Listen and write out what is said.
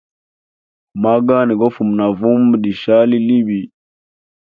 Magani gofuma na vumba lishali libi.